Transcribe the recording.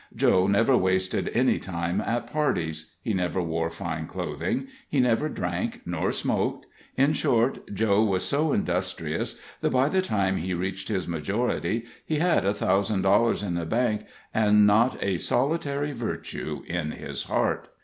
Joe never wasted any time at parties; he never wore fine clothing; he never drank nor smoked; in short, Joe was so industrious that by the time he reached his majority he had a thousand dollars in the bank, and not a solitary virtue in his heart.